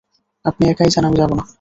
আপনি একাই যান, আমি যাব না।